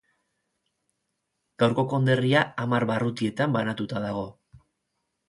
Gaurko konderria hamar barrutietan banatuta dago.